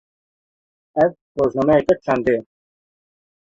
Ev, rojnameyeke çandê ye.